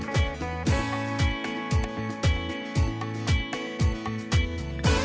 โปรดติดตามตอนต่อไป